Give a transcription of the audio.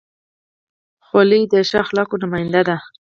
خولۍ د ښو اخلاقو نماینده ده.